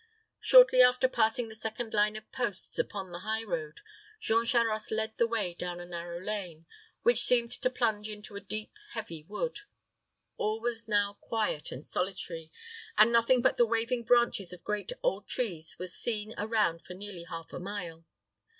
Shortly after passing the second line of posts upon the high road, Jean Charost led the way down a narrow lane, which seemed to plunge into a deep, heavy wood. All was now quiet and solitary, and nothing but the waving branches of great old trees was seen around for nearly half a mile.